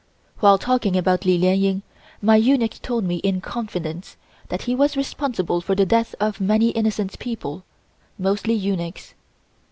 While talking about Li Lien Ying, my eunuch told me in confidence that he was responsible for the death of many innocent people, mostly eunuchs.